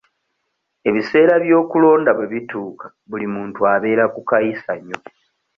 Ebiseera by'okulonda bwe bituuka buli muntu abeera ku kayisanyo.